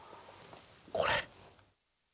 これ。